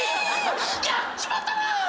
やっちまったなあ！